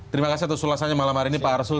terima kasih atas ulasannya malam hari ini pak arsul